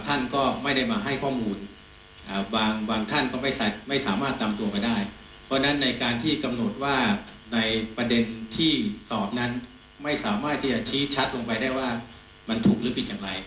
ก็ก็ไม่สามารถชี้ชัดลงไปในว่ามันผิดหรือไม่